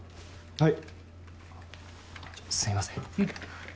はい。